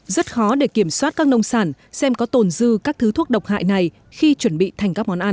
rất khó để kiểm soát các nông sản xem có tồn dư các thứ thuốc độc hại này khi chuẩn bị thành các món ăn